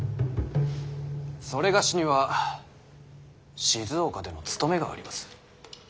某には静岡での務めがあります。